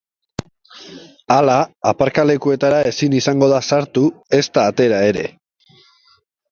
Hala, aparkalekuetara ezin izango da sartu ezta atera ere.